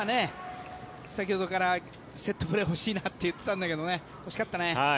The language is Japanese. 先ほどからセットプレー欲しいなって言ってたんだけどね欲しかったね。